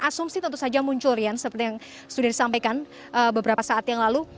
asumsi tentu saja muncul rian seperti yang sudah disampaikan beberapa saat yang lalu